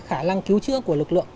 cái khả năng cứu chữa của lực lượng